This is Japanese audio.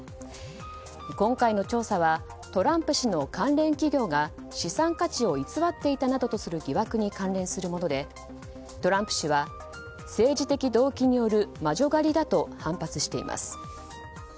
今回の調査はトランプ氏の関連企業が資産価値を偽っていたなどとする疑惑に関連するもので、トランプ氏は政治的動機による魔女狩りだと反発しています。